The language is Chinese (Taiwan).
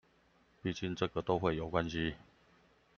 畢竟這個都會有關係